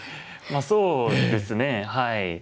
そうですねはい。